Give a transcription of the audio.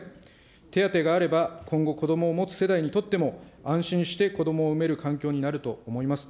手当があれば、今後、こどもを持つ世代にとっても、安心してこどもを産める環境になると思います。